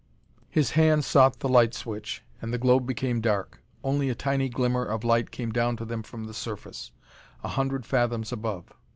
His hand sought the light switch, and the globe became dark. Only a tiny glimmer of light came down to them from the surface, a hundred fathoms above.